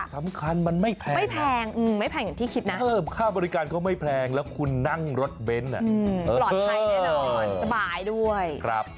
ตั้งรถเบ้นปลอดภัยแน่นอนสบายด้วย